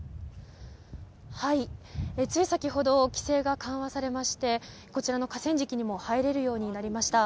つい先ほど規制が緩和されましてこちらの河川敷にも入れるようになりました。